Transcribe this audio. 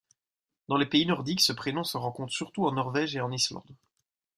Dans les pays nordiques, ce prénom se rencontre surtout en Norvège et en Islande.